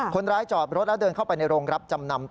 คนร้ายจอดรถแล้วเดินเข้าไปในโรงรับจำนำ